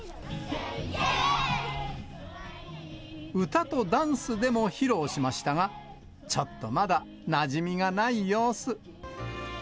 歌とダンスでも披露しましたが、ちょっとまだなじみがない様子。